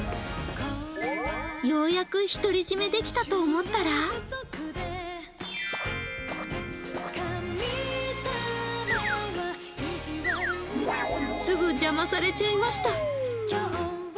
ようやく独り占めできたと思ったらすぐ邪魔されちゃいました。